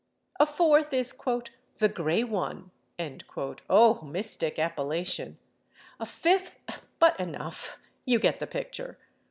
A fourth is "the Gray One"—O mystic appellation! A fifth—but enough! You get the picture.